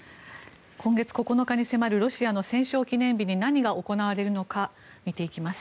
今月９日に迫るロシアの戦勝記念日に何が行われるのか見ていきます。